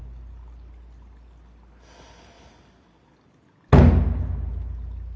ふう。